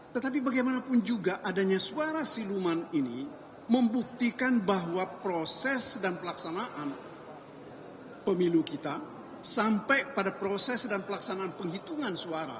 tetapi bagaimanapun juga adanya suara siluman ini membuktikan bahwa proses dan pelaksanaan pemilu kita sampai pada proses dan pelaksanaan penghitungan suara